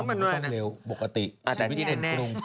มันต้องเร็วปกติชีวิตเป็นกรุง